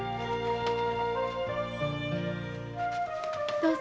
どうぞ。